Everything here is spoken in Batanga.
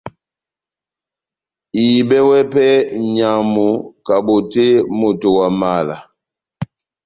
Ihibɛwɛ pɛhɛ nʼnyamu kabotè moto wa mala